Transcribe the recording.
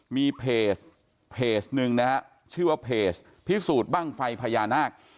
มีเพจเพจหนึ่งนะฮะชื่อว่าเพจพิสูจน์บ้างไฟพญานาค